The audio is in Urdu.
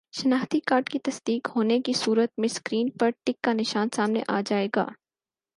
شناختی کارڈ کی تصدیق ہونے کی صورت میں سکرین پر ٹک کا نشان سامنے آ جائے گا